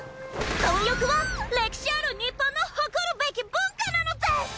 混浴は歴史ある日本の誇るべき文化なのデス！